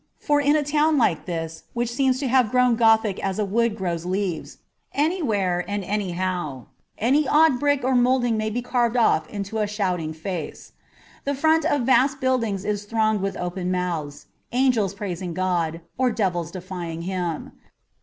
For in a town like this, which seems to have grown Gothic as a wood grows leaves — anywhere and anyhow — any odd brick or moulding may be carved off into a shouting face. The front of vast buildings is thronged with open mouths, angels praising God, or devils defying Him.